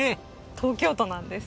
東京都なんです。